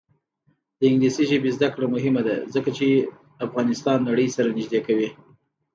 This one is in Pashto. د انګلیسي ژبې زده کړه مهمه ده ځکه چې افغانستان نړۍ سره نږدې کوي.